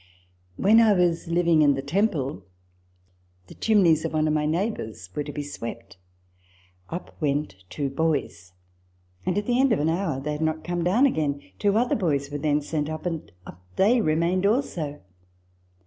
When I was living in the Temple, the chimneys of one of my neighbours were to be swept. Up went two boys ; and at the end of an hour they had not * Smt 8vo, 1749. ij6 RECOLLECTIONS OF THE come down again. Two other boys were then sent up ; and up they remained also.